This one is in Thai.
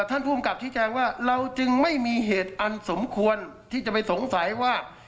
ภูมิกับชี้แจงว่าเราจึงไม่มีเหตุอันสมควรที่จะไปสงสัยว่า